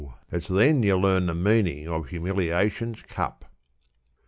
it's then you learn the meaning of humiliation's cup.